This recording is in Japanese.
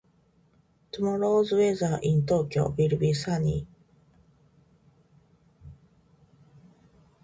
Tomorrow's weather in Tokyo will be sunny.